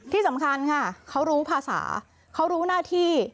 ที่สำคัญค่ะเขารู้ภาษาเขารู้หน้าที่